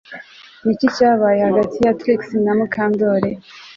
Ni iki cyabaye hagati ya Trix na Mukandoli